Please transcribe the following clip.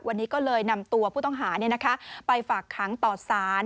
วันนี้ก็เลยนำตัวผู้ต้องหาไปฝากค้างต่อสาร